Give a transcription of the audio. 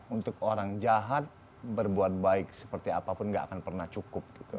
untuk orang jahat berbuat baik seperti apapun gak akan pernah cukup